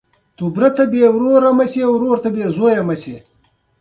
افغانستان د کابل د دغه سیند له امله مشهور دی.